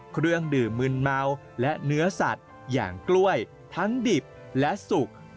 เครื่องดื่มมืนเมาและเนื้อสัตว์อย่างกล้วยทั้งดิบและสุก